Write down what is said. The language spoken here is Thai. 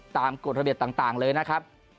กฎระเบียบต่างเลยนะครับ